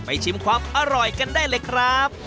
ชิมความอร่อยกันได้เลยครับ